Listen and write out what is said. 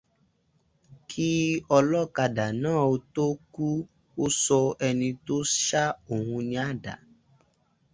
Kí ọlọ́kadà náà ó tó kú ó sọ ẹni tó ṣá òun ní àdá.